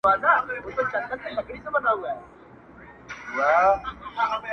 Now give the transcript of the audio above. o د خره په تندي کي محراب نه وي!